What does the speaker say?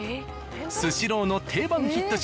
「スシロー」の定番ヒット